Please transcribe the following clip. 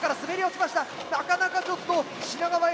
なかなかちょっと品川Ａ